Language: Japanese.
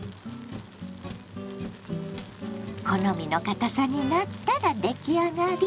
好みのかたさになったら出来上がり。